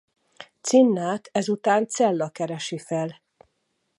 Cinnát ezután Celia keresi fel.